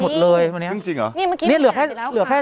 หยุดเลยเมื่อกี้